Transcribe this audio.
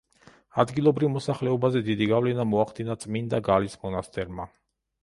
ადგილობრივ მოსახლეობაზე დიდი გავლენა მოახდინა წმინდა გალის მონასტერმა.